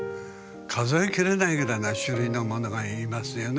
数えきれないぐらいな種類のものがいますよね。